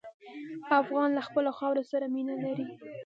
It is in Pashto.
افغان له خپلې خاورې سره مینه لري.